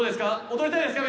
踊りたいですか？